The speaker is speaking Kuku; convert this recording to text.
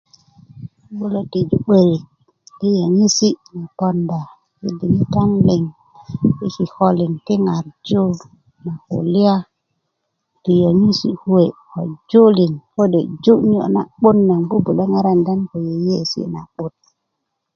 'n bubulö tiju 'börik yi yöŋesi' na poonda yi diŋitan liŋ́ yi kikolin ti ŋarju na kulya ti yöŋesi' kuwe' ko julin kode' ju' niyo' na'but naŋ bubulö ŋarakinda na nan ko yeyeesi' na'but